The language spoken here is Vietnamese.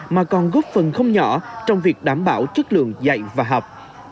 mà còn góp phần không nhỏ trong việc đảm bảo chất lượng dạy và học